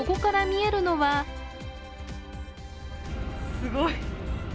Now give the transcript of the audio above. すごい。